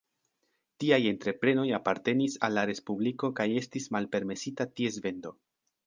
Tiaj entreprenoj apartenis al la Respubliko kaj estis malpermesita ties vendo.